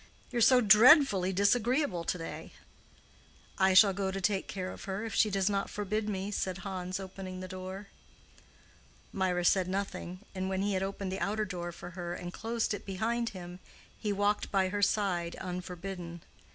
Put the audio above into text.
You are so dreadfully disagreeable to day." "I shall go to take care of her, if she does not forbid me," said Hans, opening the door. Mirah said nothing, and when he had opened the outer door for her and closed it behind him, he walked by her side unforbidden.